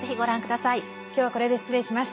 今日はこれで失礼します。